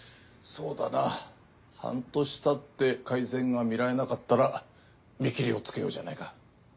そうだな半年経って改善が見られなかったら見切りをつけようじゃないか。